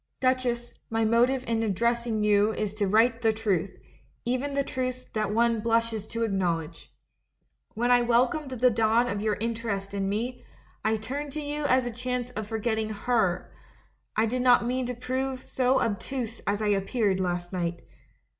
"Duchess, my motive in addressing you is to write the truth, even the truths that one blushes to acknowledge. When I welcomed the dawn of your interest in me, I turned to you as a chance of forgetting her — I did not mean to prove so obtuse as I appeared last night.